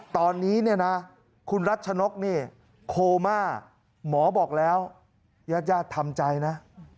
ตอนนี้คุณรัชนกโคมาหมอบอกแล้วญาติยาธิทำใจนะ